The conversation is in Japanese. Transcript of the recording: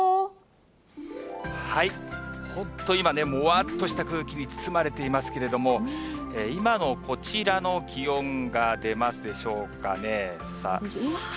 本当、今、もわっとした空気に包まれていますけれども、今のこちらの気温が出ますでしょうかね。